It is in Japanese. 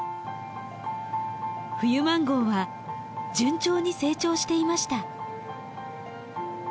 冬マンゴーは順調に成長していました。